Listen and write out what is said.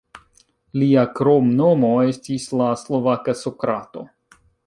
Lia kromnomo estis "la slovaka Sokrato".